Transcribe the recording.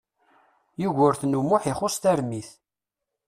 Yugurten U Muḥ ixuṣ tarmit.